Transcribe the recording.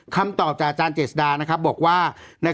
คำตอบจากอาจารย์เจศดานะครับบอกว่า